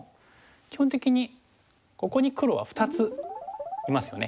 基本的にここに黒は２ついますよね。